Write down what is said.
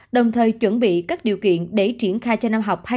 đồng thời chuẩn bị các điều kiện để triển khai cho năm học